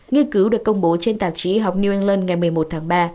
nghiên cứu được công bố trên tạp chí học new england ngày một mươi một tháng ba